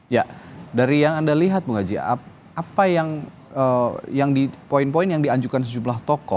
ya dari yang anda lihat bung haji apa yang di poin poin yang diajukan sejumlah tokoh